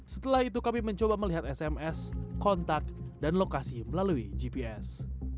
setelah itu kami mencoba melihat sms kontak dan lokasi melalui gps